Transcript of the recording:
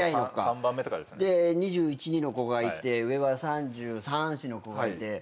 ２１２２の子がいて上は３３３４の子がいて。